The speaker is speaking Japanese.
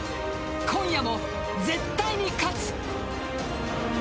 今夜も絶対に勝つ。